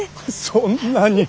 そんなに。